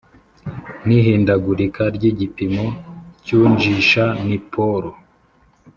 n ihindagurika ry igipimo cy unjisha Ni polo